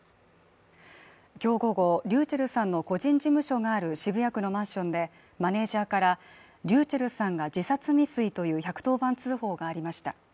今日午後、ｒｙｕｃｈｅｌｌさんの個人事務所がある渋谷区のマンションでマネージャーからｒｙｕｃｈｅｌｌさんが自殺未遂という１１０番通報がありました。